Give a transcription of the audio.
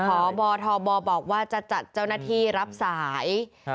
พบทบบอกว่าจะจัดเจ้าหน้าที่รับสาย